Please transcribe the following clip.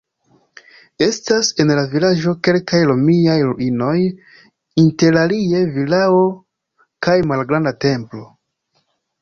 Estas en la vilaĝo kelkaj romiaj ruinoj, interalie vilao kaj malgranda templo.